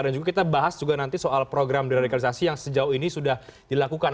dan juga kita bahas nanti soal program deradikalisasi yang sejauh ini sudah dilakukan